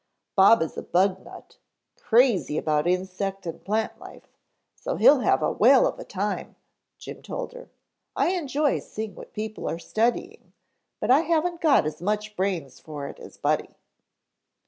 "Bob is a bug nut; crazy about insect and plant life, so he'll have a whale of a time," Jim told her. "I enjoy seeing what people are studying, but I haven't got as much brains for it as Buddy."